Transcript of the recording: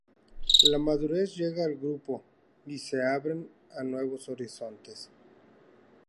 La madurez llega al grupo y se abren a nuevos horizontes.